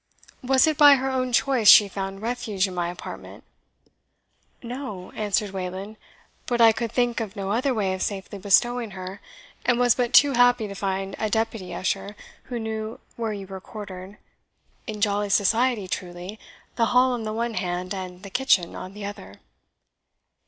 Was it by her own choice she found refuge in my apartment?" "No," answered Wayland; "but I could think of no other way of safely bestowing her, and was but too happy to find a deputy usher who knew where you were quartered in jolly society truly, the hall on the one hand, and the kitchen on the other!"